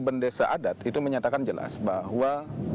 bendesa adat itu menyatakan jelas bahwa